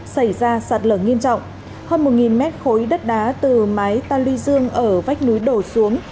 xảy ra sạt lở nghiêm trọng hơn một mét khối đất đá từ mái ta lưu dương ở vách núi đổ xuống